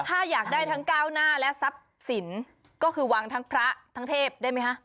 ถ้าอยากได้ทั้งก้าวหน้าและทรัพย์สินก็คือวางทั้งพระทั้งเทพได้ไหมคะ